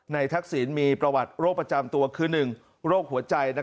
ทักษิณมีประวัติโรคประจำตัวคือ๑โรคหัวใจ